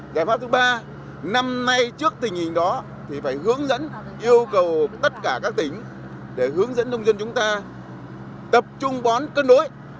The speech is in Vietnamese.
giải pháp thứ ba năm nay trước tình hình đó thì phải hướng dẫn yêu cầu tất cả các tỉnh để hướng dẫn nông dân chúng ta tập trung bón cân đối